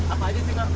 apa aja sih